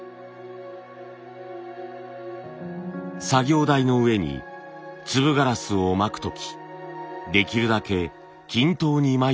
作業台の上に粒ガラスをまく時できるだけ均等にまいていくのです。